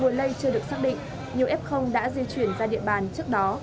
nguồn lây chưa được xác định nhiều f đã di chuyển ra địa bàn trước đó